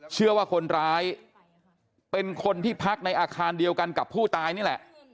เชื่อว่าคนร้ายเป็นคนที่พักในอาคารเดียวกันกับผู้ตายนี่แหละ